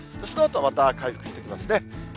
そのあとはまた回復してきますね。